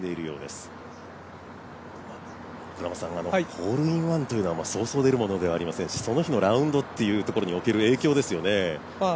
ホールインワンというのは、そうそうでるものではありませんし、その日のラウンドというところにおける影響ですよね。